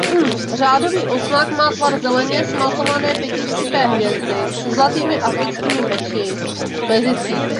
Řádový odznak má tvar zeleně smaltované pěticípé hvězdy se zlatými africkými meči mezi cípy.